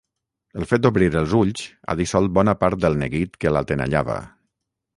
El fet d'obrir els ulls ha dissolt bona part del neguit que l'atenallava.